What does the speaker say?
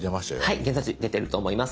はい現在地出てると思います。